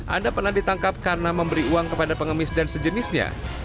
anda pernah ditangkap karena memberi uang kepada pengemis dan sejenisnya